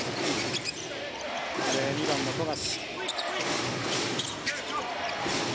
２番の富樫。